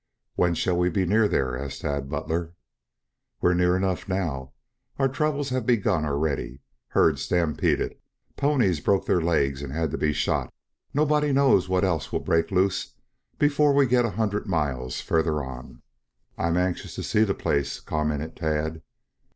"When shall we be near there?" asked Tad Butler. "We are near enough now. Our troubles have begun already. Herd stampeded. Ponies broke their legs and had to be shot. Nobody knows what else will break loose before we get a hundred miles further on." "I am anxious to see the place," commented Tad.